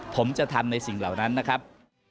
ผมจะทำในสิ่งเหล่านั้นนะครับ